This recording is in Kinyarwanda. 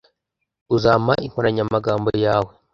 Uzampa inkoranyamagambo yawe?